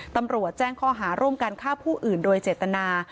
ตำรวจแจ้งข้อหาร่วมการฆ่าผู้อื่นโดยเจตนา